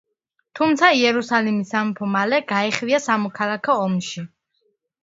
თუმცა, იერუსალიმის სამეფო მალე გაეხვა სამოქალაქო ომში.